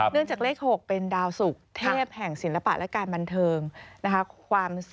จากเลข๖เป็นดาวสุกเทพแห่งศิลปะและการบันเทิงนะคะ